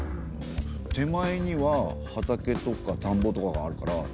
手前には畑とかたんぼとかがあるから農村かな？